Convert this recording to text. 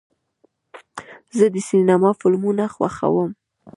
زه د سینما فلمونه خوښوم.